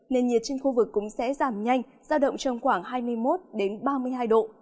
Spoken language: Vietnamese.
nên nhiệt trên khu vực cũng sẽ giảm nhanh ra động trong khoảng hai mươi một đến ba mươi hai độ